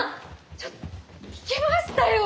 ちょっと聞きましたよ！